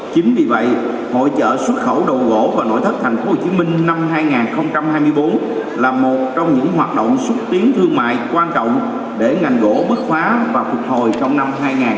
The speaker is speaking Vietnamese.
chính vì vậy hội chợ xuất khẩu đầu gỗ và nội thất thành phố hồ chí minh năm hai nghìn hai mươi bốn là một trong những hoạt động xuất tiến thương mại quan trọng để ngành gỗ bức khóa và phục hồi trong năm hai nghìn hai mươi bốn